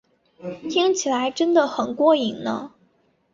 听起来真得很过瘾呢